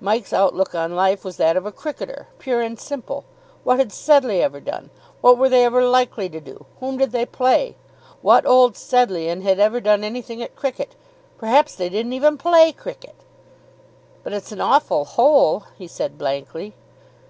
Mike's outlook on life was that of a cricketer, pure and simple. What had Sedleigh ever done? What were they ever likely to do? Whom did they play? What Old Sedleighan had ever done anything at cricket? Perhaps they didn't even play cricket! "But it's an awful hole," he said blankly.